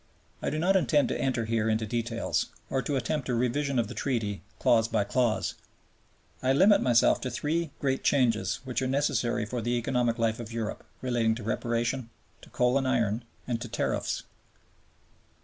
I do not intend to enter here into details, or to attempt a revision of the Treaty clause by clause. I limit myself to three great changes which are necessary for the economic life of Europe, relating to Reparation, to Coal and Iron, and to Tariffs.